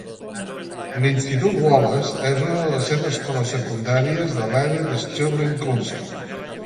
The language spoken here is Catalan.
L'institut Wallace és una de les set escoles secundàries de l'àrea de Stirling Council.